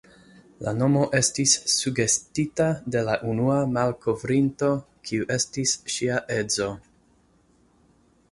La nomo estis sugestita de la unua malkovrinto, kiu estis ŝia edzo.